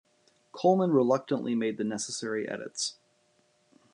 Coleman reluctantly made the necessary edits.